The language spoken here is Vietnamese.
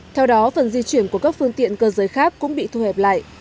theo đó phần di chuyển của các phương tiện cơ giới khác cũng bị thu hẹp lại